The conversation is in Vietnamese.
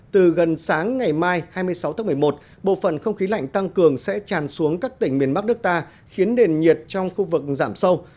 từ gần sáng ngày mai hai mươi sáu tháng một mươi một bộ phận không khí lạnh tăng cường sẽ tràn xuống các tỉnh miền bắc nước ta khiến nền nhiệt trong khu vực giảm sâu